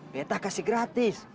betah kasih gratis